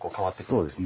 そうですね。